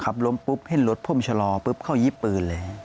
ล้มปุ๊บเห็นรถผมชะลอปุ๊บเขายิบปืนเลย